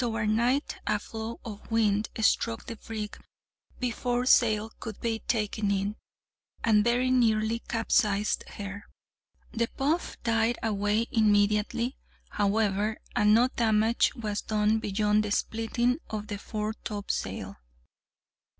Toward night a flaw of wind struck the brig before sail could be taken in, and very nearly capsized her. The puff died away immediately, however, and no damage was done beyond the splitting of the foretopsail.